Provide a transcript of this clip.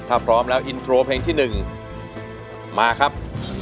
ถ้าพร้อมแล้วอินโทรเพลงที่๑มาครับ